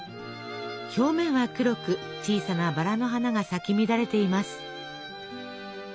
表面は黒く小さなバラの花が咲き乱れています。